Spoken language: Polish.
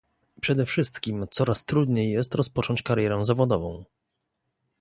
Przede wszystkim coraz trudniej jest rozpocząć karierę zawodową